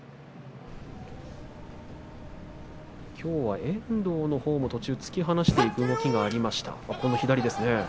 きょうは遠藤のほうも途中突き放していく動きがありました。